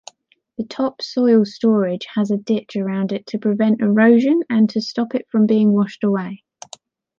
The top soil storage has a ditch around it to prevent erosion and to stop it from being washed away.